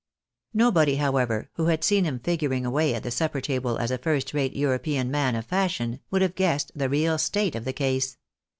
Nobody, however, who had seen him figuring away at the supper table as a first rate European man of fashion, would have guessed the real state of the case.